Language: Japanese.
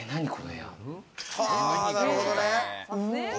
なるほどね。